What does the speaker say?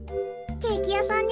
ケーキやさん